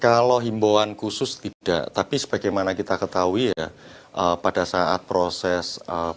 kalau himbauan khusus tidak tapi sebagaimana kita ketahui ya pada saat proses